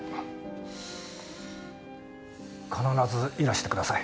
必ずいらしてください。